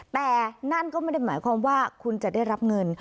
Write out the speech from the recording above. แต่นั่นก็ไม่ได้หมายความว่าคุณจะได้รับเงิน